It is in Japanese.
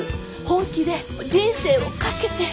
本気で人生を懸けて。